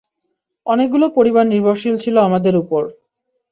অনেকগুলো পরিবার নির্ভরশীল ছিল আমাদের উপর।